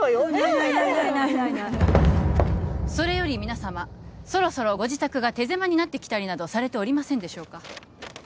ないないないないそれより皆様そろそろご自宅が手狭になってきたりなどされておりませんでしょうか？